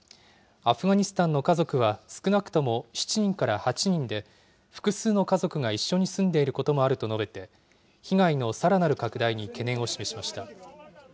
アフガニスタンの家族は少なくとも７人から８人で、複数の家族が一緒に住んでいることもあると述べて、被害のさらなる拡大に懸念を示しました。